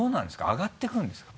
上がっていくんですか？